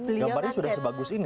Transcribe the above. gambarnya sudah sebagus ini